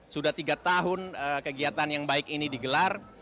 sudah tiga tahun kegiatan yang baik ini digelar